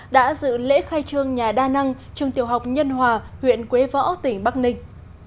đã dự lễ khai trương nhà đa năng trường tiểu học nhân hòa huyện quế võ tỉnh bắc ninh